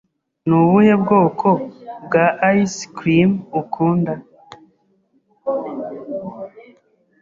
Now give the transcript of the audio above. Ni ubuhe bwoko bwa ice cream ukunda?